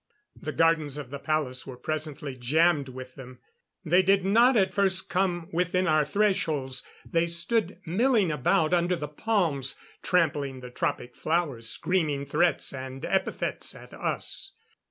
The gardens of the palace were presently jammed with them. They did not at first come within our threshholds; they stood milling about under the palms, trampling the tropic flowers, screaming threats and epithets at us.